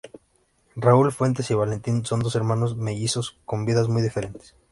Raúl Fuentes y Valentín son dos hermanos mellizos con vidas muy diferentes.